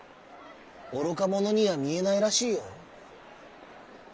「おろかものにはみえないらしいよ」。